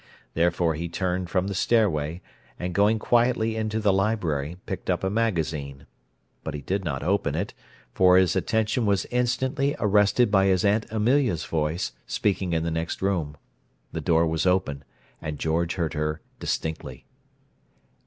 Therefore he turned from the stairway, and going quietly into the library, picked up a magazine—but he did not open it, for his attention was instantly arrested by his Aunt Amelia's voice, speaking in the next room. The door was open and George heard her distinctly.